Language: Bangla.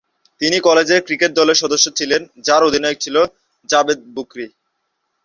তিনি কলেজের ক্রিকেট দলের সদস্য ছিলেন যার অধিনায়ক ছিল জাভেদ বুকরি।